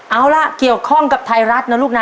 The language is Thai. เอาล่ะเกี่ยวข้องกับไทยรัฐนะลูกนะ